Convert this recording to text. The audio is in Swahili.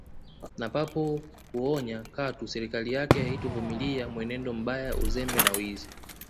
Na papo kuonya katu serikali yake haitovumilia mwenendo mbaya uzembe na wizi